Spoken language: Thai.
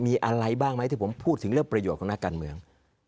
มีอะไรบ้างไหมที่ผมพูดถึงเรื่องประโยชน์ของนักการเมือง